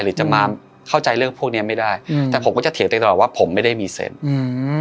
หรือจะมาเข้าใจเรื่องพวกเนี้ยไม่ได้อืมแต่ผมก็จะเถียงตัวเองตลอดว่าผมไม่ได้มีเซ็นต์อืม